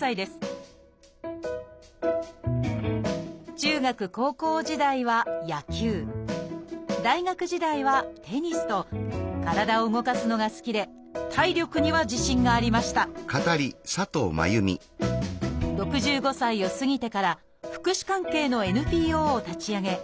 中学高校時代は野球大学時代はテニスと体を動かすのが好きで体力には自信がありました６５歳を過ぎてから福祉関係のＮＰＯを立ち上げ